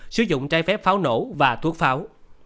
sử dụng trái phép pháo nổ và thuốc pháo